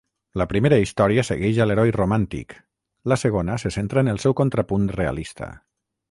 La primera història segueix a l'heroi romàntic, la segona se centra en el seu contrapunt realista.